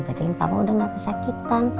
berarti papa udah gak kesakitan